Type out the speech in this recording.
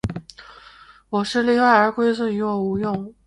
我是例外，而规则于我无用。